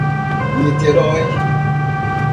Niterói